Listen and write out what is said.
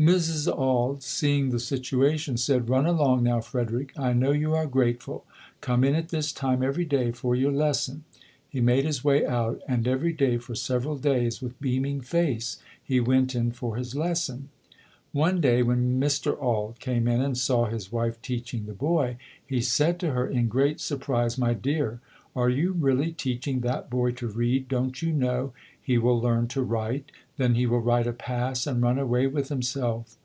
Mrs. Auld, seeing the situation, said, "Run along now, Frederick. I know you are grateful. Come in at this time every day for your lesson". He made his way out and every day for several days, with beaming face, he went in for his lesson. One day when Mr. Auld came in and saw his wife teaching the boy, he said to her in great sur prise, "My dear, are you really teaching that boy to read? Don't you know he will learn to write? Then he will write a pass and run away with him FREDERICK DOUGLASS [ 23 self".